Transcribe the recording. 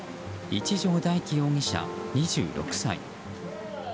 一條大樹容疑者、２６歳。